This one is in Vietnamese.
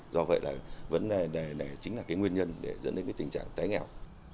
do vậy là vấn đề này chính là cái nguyên nhân để dẫn đến cái tình trạng tái nghèo